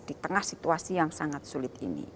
di tengah situasi yang sangat sulit ini